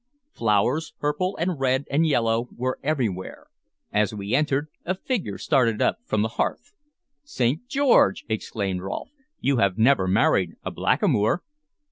Flowers purple and red and yellow were everywhere. As we entered, a figure started up from the hearth. "St. George!" exclaimed Rolfe. "You have never married a blackamoor?"